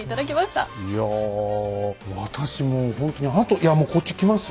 いや私もうほんとにあといやもうこっち来ます。